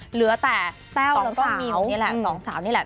เหลือแต่แต้วแล้วก็มิวนี่แหละสองสาวนี่แหละ